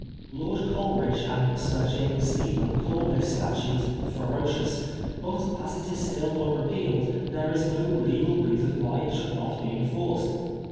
Lord • Coleridge and Sir James Stephen call this statute ferocious," but as it is still unrepealed there is no legal reason why it should not be enforced.